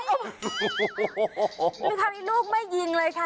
มีคำว่าลูกม่ายิงเลยค่ะ